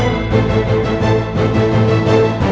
aku akan menang